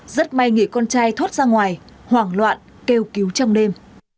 rất may người con trai thoát ra ngoài hoảng loạn kêu cứu trong đêm